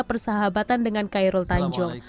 persahabatan dengan kairul tanjung